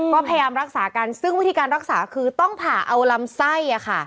ก็พยายามรักษากันซึ่งวิธีการรักษาคือต้องผ่าเอาลำไส้